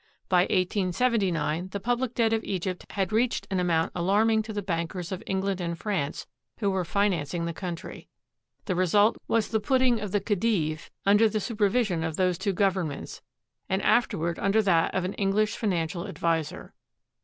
By 1879, the public debt of Egypt had reached an amount alarming to the bankers of England and France who were financing the country. The result was the putting of the Khedive under the supervi sion of those two governments, and afterward under that of an English financial adviser.